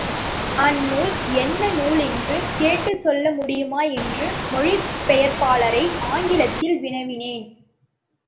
அந்நூல் என்ன நூல் என்று, கேட்டுச் சொல்ல முடியுமா என்று, மொழி பெயர்ப்பாளரை ஆங்கிலத்தில் வினவினேன்.